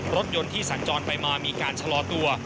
รถยนต์ที่สัญจรไปมามีการชะลอตัว